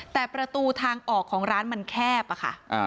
แต่ประตูทางออกของร้านมันแคบอะค่ะ